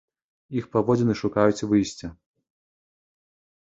Іх паводзіны шукаюць выйсця.